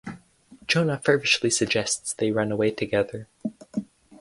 Jonah feverishly suggests they run away together.